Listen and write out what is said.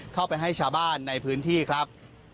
เข้าไปให้ชาวบ้านในพื้นที่ครับ